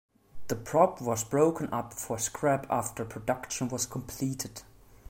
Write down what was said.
The prop was broken up for scrap after production was completed.